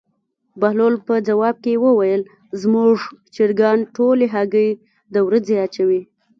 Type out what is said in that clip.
بهلول په ځواب کې وویل: زموږ چرګان ټولې هګۍ د ورځې اچوي.